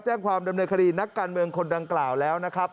แจ้งความดำเนินคดีนักการเมืองคนดังกล่าวแล้วนะครับ